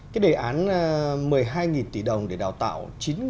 cái đề án một mươi hai tỷ đồng để đào tạo